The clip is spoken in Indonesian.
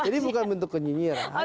jadi bukan bentuk kenyinyirah